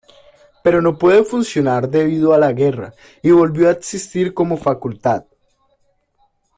Pero no puede funcionar debido a la guerra y volvió a existir como facultad.